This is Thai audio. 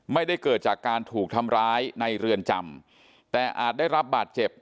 ไม่ได้เกิดจากการถูกทำร้ายในเรือนจำแต่อาจได้รับบาดเจ็บ